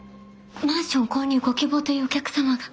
マンション購入ご希望というお客様が。